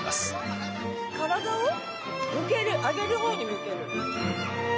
体を上げる方に向ける。